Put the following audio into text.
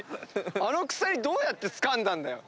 あの鎖どうやってつかんだんだよ。